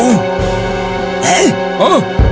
hah oh oh oh